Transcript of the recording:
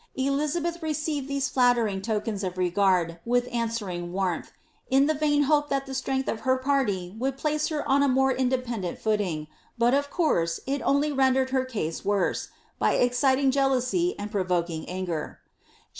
* Elizabeth received these flattering tokens of regard with answering warmth, in the vain hope that the strength of her parly would place her on a more independent footing, but of course it only rendered her case worse, by exciting jealousy and provoking anger 'Xonilles* De.